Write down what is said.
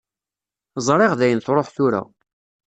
Ẓriɣ dayen truḥ tura.